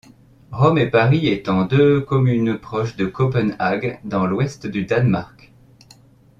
Rome et Paris étant deux communes proche de Copenhague dans l’ouest du Danemark.